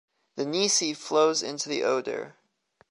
The Neisse flows into the Oder.